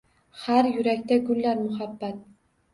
Har yurakda gullar muhabbat